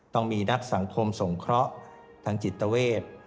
ต้องมีนักสังคมสงเคราะห์ทางจิตเวท